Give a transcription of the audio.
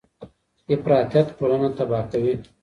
افراطیت ټولنه تباه کوي.